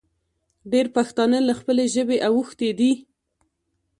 ډېر پښتانه له خپلې ژبې اوښتې دي